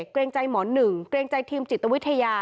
เกรงใจหมอหนึ่งเกรงใจทีมจิตวิทยา